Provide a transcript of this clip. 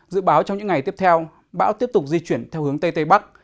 dự báo trong những ngày tiếp theo bão tiếp tục di chuyển theo hướng tây tây bắc